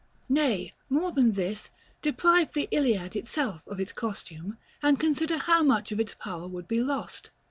Nay, more than this, deprive the Iliad itself of its costume, and consider how much of its power would be lost.